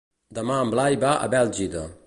Demà en Blai va a Bèlgida.